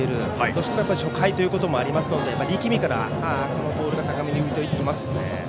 どうしても初回ということもありますので力みから、ボールが高めに浮いていますね。